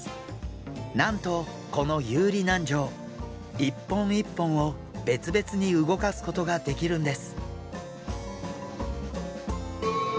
なんとこの遊離軟条１本１本を別々に動かすことができるんです。